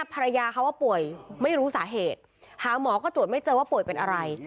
ภรรยาเขาว่าป่วยไม่รู้สาเหตุหาหมอก็ตรวจไม่เจอว่าป่วยเป็นอะไร